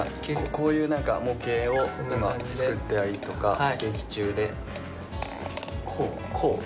こういう模型を今作ったりとか劇中でこうこう？